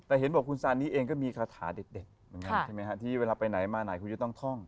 แต่เห็นบอกคุณซานนี่เองก็มีคาถาเด็ดที่เวลาไปไหนมาไหนคุณจะต้องท่อง